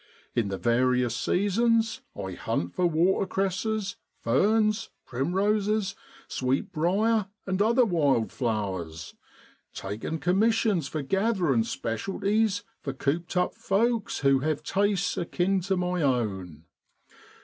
In the various seasons I hunt for watercresses, ferns, primroses, sweetbriar, and other wild flowers, taking commissions for gathering specialties for cooped up folks who have tastes akin to my own.